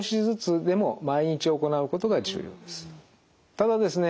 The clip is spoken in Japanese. ただですね